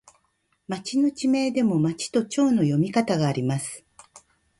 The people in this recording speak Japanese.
町の地名でも、まちとちょうの読み方があります。